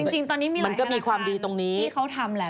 จริงตอนนี้มีหลายอาณาคารที่เขาทำแหละ